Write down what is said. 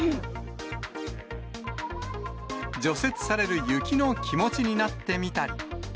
除雪される雪の気持ちになってみたり。